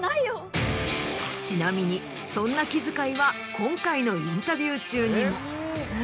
ちなみにそんな気遣いは今回のインタビュー中にも。